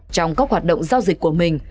trong các hoạt động giao dịch của mình